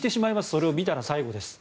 それを見たら最後です。